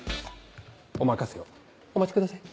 お任せをお待ちください。